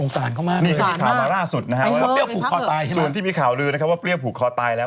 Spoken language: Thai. ส่วนลีสอร์ตไม่มีใครไปพักเลย